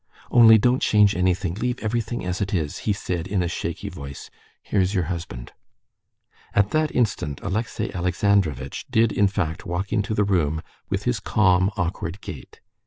"Only don't change anything, leave everything as it is," he said in a shaky voice. "Here's your husband." At that instant Alexey Alexandrovitch did in fact walk into the room with his calm, awkward gait.